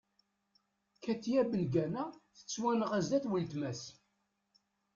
Katya Bengana tettwanɣa zdat n weltma-s.